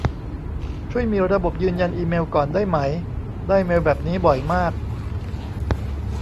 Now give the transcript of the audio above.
ช่วยมีระบบยืนยันอีเมลก่อนได้ไหม ได้เมลแบบนี้บ่อยมาก